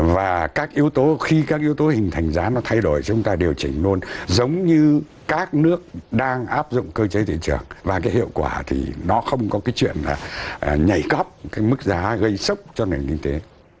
và các yếu tố khi các yếu tố hình thành giá nó thay đổi chúng ta điều chỉnh luôn giống như các nước đang áp dụng cơ chế thị trường và cái hiệu quả thì nó không có cái chuyện là nhảy cóc cái mức giá gây sốc cho nền kinh tế